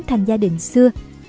thành gia đình xưa